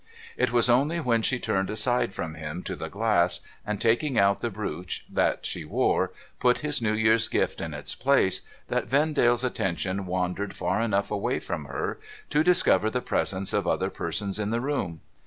It was only when she turned aside from him to the glass, and, taking out the brooch that she wore, put his New Year's gift in its place, that Vendale's attention wandered far enough away from her to discover the presence of other persons in the room.